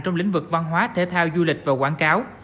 trong lĩnh vực văn hóa thể thao du lịch và quảng cáo